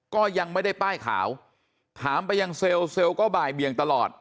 ก็ยังไม่ได้ป้ายขาวถามไปยังเซลล์เซลล์ก็บ่ายเบียงตลอด